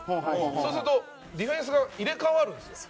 そうすると、ディフェンスが入れ替わるんですよ。